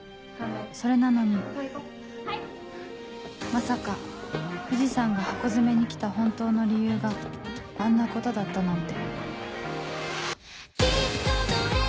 それなのにまさか藤さんがハコヅメに来た本当の理由があんなことだったなんて